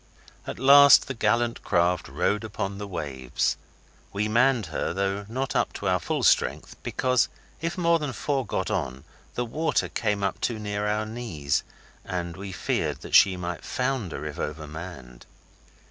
At last the gallant craft rode upon the waves. We manned her, though not up to our full strength, because if more than four got on the water came up too near our knees, and we feared she might founder if over manned.